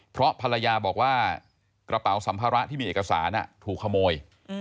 เพราะภรรยาบอกว่ากระเป๋าสัมภาระที่มีเอกสารถูกขโมย